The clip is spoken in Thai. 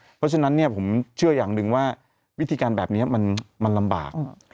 เพราะฉะนั้นผมเชื่ออย่างหนึ่งว่าวิธีการแบบนี้มันลำบาก